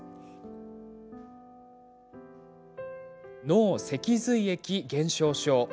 脳脊髄液減少症。